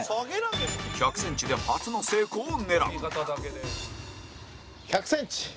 １００ｃｍで初の成功を狙う１００ｃｍ！